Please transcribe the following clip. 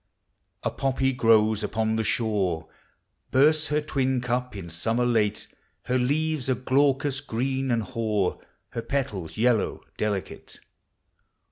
A poppy grows upon the shore Bursts her twin cup in summer late: Her leaves are glaucous green and hoar, Her petals yellow, delicate.